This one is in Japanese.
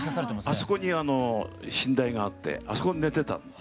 あそこに寝台があってあそこに寝てたの。